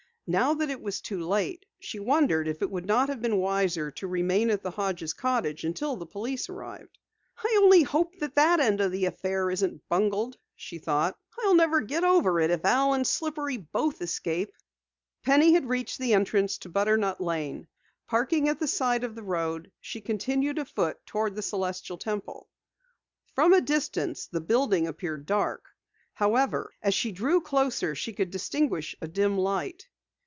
Now that it was too late, she wondered if it would not have been wiser to remain at the Hodges' cottage until the police arrived. "I only hope that end of the affair isn't bungled," she thought. "I'll never get over it if Al and Slippery both escape." Penny had reached the entrance to Butternut Lane. Parking at the side of the road, she continued afoot toward the Celestial Temple. From a distance the building appeared dark. However, as she drew closer she could distinguish a dim light.